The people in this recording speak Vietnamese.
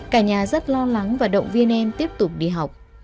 cả nhà rất lo lắng và động viên em tiếp tục đi học